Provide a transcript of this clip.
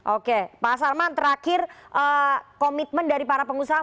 oke pak sarman terakhir komitmen dari para pengusaha